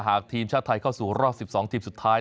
หากทีมชาติไทยเข้าสู่รอบ๑๒ทีมสุดท้าย